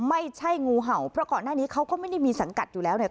ไม่ใช่งูเห่าเพราะก่อนหน้านี้เขาก็ไม่ได้มีสังกัดอยู่แล้วเนี่ย